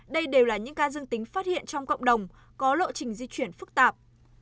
đây đều là những ca dương tính phát hiện trong cộng đồng có lộ trình di chuyển phức tạp